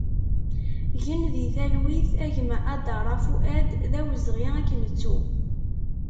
Gen di talwit a gma Adara Fuad, d awezɣi ad k-nettu!